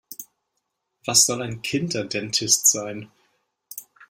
Was soll ein Kinderdentist sein?